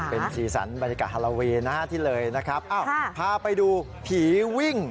เป็นสีสันบรรยากาศฮาลาเวย์นะฮะที่เลยนะครับพาไปดูผีวิ่ง